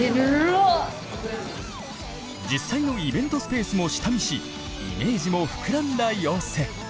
実際のイベントスペースも下見しイメージも膨らんだ様子。